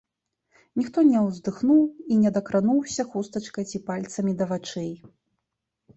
Ніхто не ўздыхнуў і не дакрануўся хустачкай ці пальцамі да вачэй.